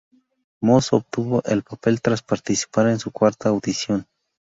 Moss obtuvo el papel tras participar en su cuarta audición.